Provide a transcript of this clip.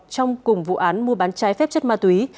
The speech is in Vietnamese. trong cùng vụ án mua bán trái phép chất ma túy